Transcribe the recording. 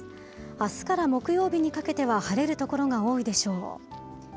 あすから木曜日にかけては晴れる所が多いでしょう。